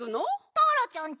ターラちゃんち。